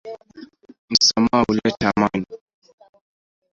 Msamaha huleta amani.